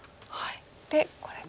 でこれと。